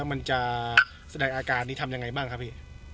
มันจะแสดงอาการนี้ทำยังไงบ้างครับพี่